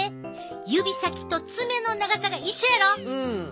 指先と爪の長さが一緒やろ！